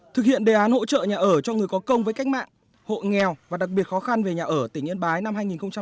thực hiện đề án hỗ trợ nhà ở cho người có công với cách mạng hộ nghèo và đặc biệt khó khăn về nhà ở tỉnh yên bái năm hai nghìn hai mươi